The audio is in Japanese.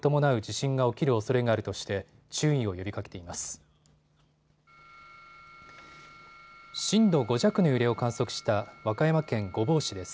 震度５弱の揺れを観測した和歌山県御坊市です。